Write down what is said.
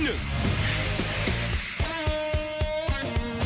อันดับที่๑